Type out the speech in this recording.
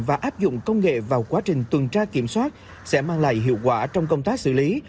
và áp dụng công nghệ vào quá trình tuần tra kiểm soát sẽ mang lại hiệu quả trong công tác xử lý